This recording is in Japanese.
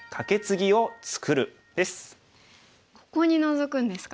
ここにノゾくんですか。